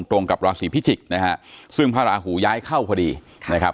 ตรงกับราศีพิจิกษ์นะฮะซึ่งพระราหูย้ายเข้าพอดีนะครับ